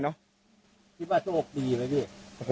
คิดว่าโชคดีไหมพี่